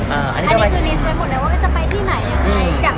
นี่มาใกล้ที่แผนค้าด้วย